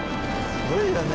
すごいわね。